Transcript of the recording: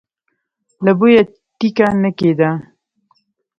له بويه ټېکه نه کېده.